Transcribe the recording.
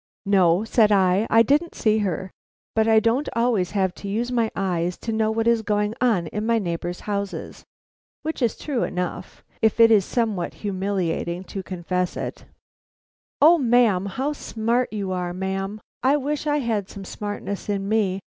"No," said I, "I didn't see her, but I don't always have to use my eyes to know what is going on in my neighbor's houses." Which is true enough, if it is somewhat humiliating to confess it. "O ma'am, how smart you are, ma'am! I wish I had some smartness in me.